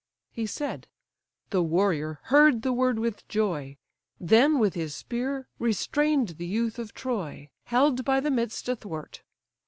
He said: the warrior heard the word with joy; Then with his spear restrain'd the youth of Troy, Held by the midst athwart.